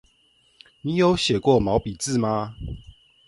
你有寫過毛筆字嗎？